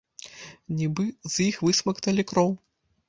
Нібы з іх высмакталі кроў.